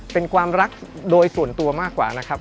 เป็นความรักโดยส่วนตัวมากกว่านะครับ